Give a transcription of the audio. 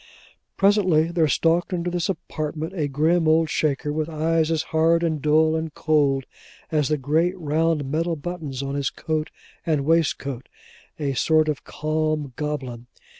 Presently, there stalked into this apartment, a grim old Shaker, with eyes as hard, and dull, and cold, as the great round metal buttons on his coat and waistcoat; a sort of calm goblin.